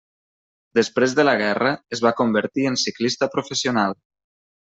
Després de la guerra es va convertir en ciclista professional.